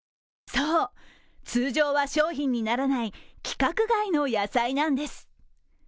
そう、通常は商品にならない規格外の野菜なんです。